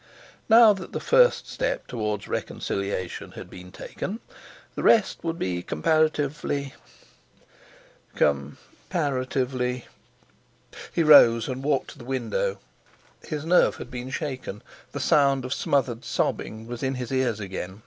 Now that the first step towards reconciliation had been taken, the rest would be comparatively—comparatively.... He, rose and walked to the window. His nerve had been shaken. The sound of smothered sobbing was in his ears again.